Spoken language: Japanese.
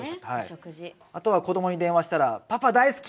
あとは子どもに電話したらパパ大好き！